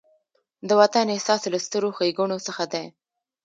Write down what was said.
د وطن احساس له سترو ښېګڼو څخه دی.